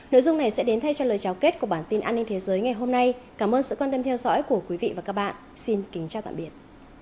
nội dung này sẽ đến thay cho lời trao kết của bản tin an ninh thế giới ngày hôm nay cảm ơn sự quan tâm theo dõi của quý vị và các bạn xin kính chào tạm biệt